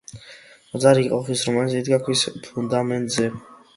ტაძარი იყო ხის, რომელიც იდგა ქვის ფუნდამენტზე.